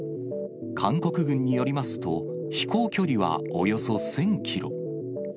韓国軍によりますと、飛行距離はおよそ１０００キロ。